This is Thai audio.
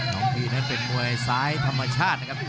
พี่นั้นเป็นมวยซ้ายธรรมชาตินะครับ